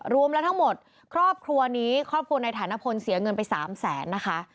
รวมแล้วทั้งหมดครอบครัวนี้ครอบครัวในฐานะพลเสียเงินไป๓แสนนะคะ